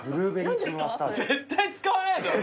絶対使わないだろ！